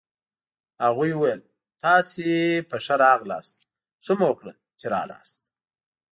هغوی وویل: تاسي په ښه راغلاست، ښه مو وکړل چي راغلئ.